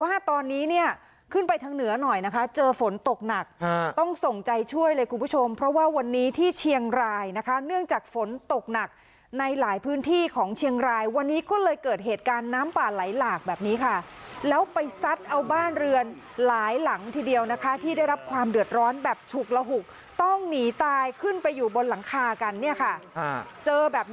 ว่าตอนนี้เนี่ยขึ้นไปทางเหนือหน่อยนะคะเจอฝนตกหนักต้องส่งใจช่วยเลยคุณผู้ชมเพราะว่าวันนี้ที่เชียงรายนะคะเนื่องจากฝนตกหนักในหลายพื้นที่ของเชียงรายวันนี้ก็เลยเกิดเหตุการณ์น้ำป่าไหลหลากแบบนี้ค่ะแล้วไปซัดเอาบ้านเรือนหลายหลังทีเดียวนะคะที่ได้รับความเดือดร้อนแบบฉุกระหุกต้องหนีตายขึ้นไปอยู่บนหลังคากันเนี่ยค่ะเจอแบบ